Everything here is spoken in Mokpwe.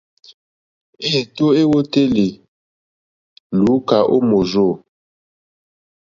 Êtó èwòtélì wéèyé lùúkà ó mòrzô.